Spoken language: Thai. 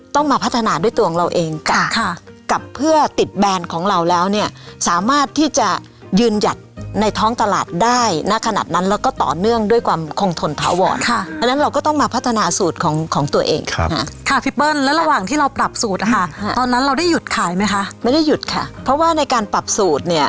ต้องมาพัฒนาด้วยตัวของเราเองกับค่ะกับเพื่อติดแบรนด์ของเราแล้วเนี่ยสามารถที่จะยืนหยัดในท้องตลาดได้ณขนาดนั้นแล้วก็ต่อเนื่องด้วยความคงทนถาวรค่ะดังนั้นเราก็ต้องมาพัฒนาสูตรของของตัวเองค่ะพี่เปิ้ลแล้วระหว่างที่เราปรับสูตรนะคะตอนนั้นเราได้หยุดขายไหมคะไม่ได้หยุดค่ะเพราะว่าในการปรับสูตรเนี่ย